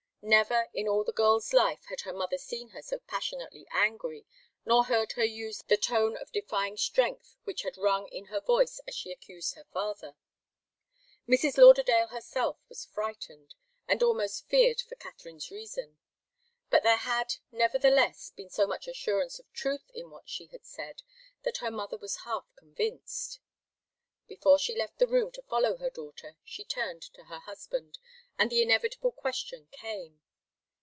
Never, in all the girl's life, had her mother seen her so passionately angry nor heard her use the tone of defying strength which had rung in her voice as she accused her father. Mrs. Lauderdale herself was frightened, and almost feared for Katharine's reason. But there had, nevertheless, been so much assurance of truth in what she had said, that her mother was half convinced. Before she left the room to follow her daughter, she turned to her husband, and the inevitable question came.